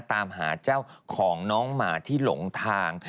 ตามหาเจ้าของน้องหมาที่หลงทาง